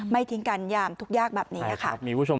ไม่ทิ้งกันยามทุกอย่างแบบนี้